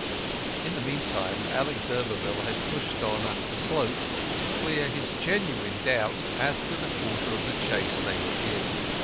In the meantime Alec d'Urberville had pushed on up the slope to clear his genuine doubt as to the quarter of The Chase they were in.